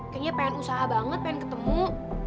kayaknya pengen usaha banget pengen ketemu